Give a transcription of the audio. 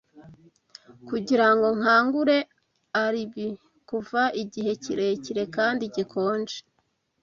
kugira ngo nkangure Alibi kuva igihe kirekire kandi gikonje